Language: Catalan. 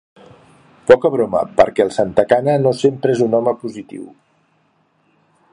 Poca broma, perquè el Santacana no sempre és un home positiu.